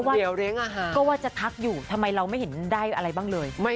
เลี้ยงอาหารก็ว่าจะทักอยู่ทำไมเราไม่เห็นได้อะไรบ้างเลย